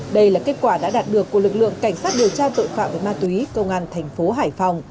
đây là kết quả đã đạt được của lực lượng cảnh sát điều tra tội phạm về ma túy công an thành phố hải phòng